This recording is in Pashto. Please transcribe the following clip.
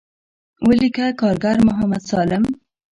وليکه کارګر محمد سالم.